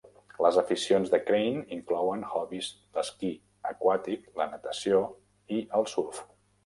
Les aficions de Crane inclouen hobbies l'esquí aquàtic, la natació i el surf.